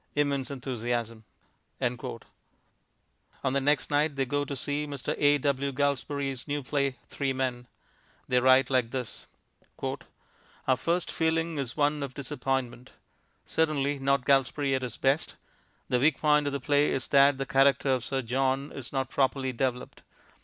Immense enthusiasm." On the next night they go to see Mr. A. W. Galsbarrie's new play, Three Men. They write like this: "Our first feeling is one of disappointment. Certainly not Galsbarrie at his best.... The weak point of the play is that the character of Sir John is not properly developed....